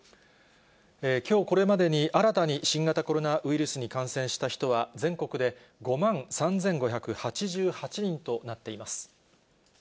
きょうこれまでに、新たに新型コロナウイルスに感染した人は全国で５万３５８８人となっています。